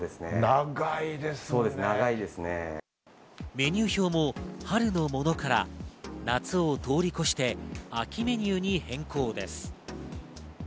メニュー表も春のものから夏を通り越して、秋メニューに変更です。